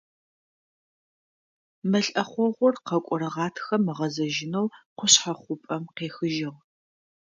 Мэл ӏэхъогъур къэкӏорэ гъатхэм ыгъэзэжьынэу къушъхьэ хъупӏэм къехыжьыгъ.